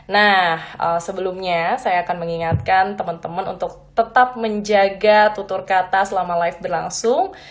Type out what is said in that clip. nah sebelumnya saya akan mengingatkan teman teman untuk tetap menjaga tutur kata selama live berlangsung